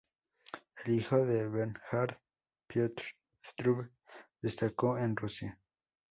El hijo de Bernhard, Piotr Struve, destacó en Rusia.